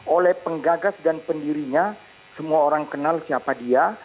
oleh penggagas dan pendirinya semua orang kenal siapa dia